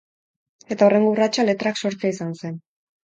Eta hurrengo urratsa letrak sortzea izan zen.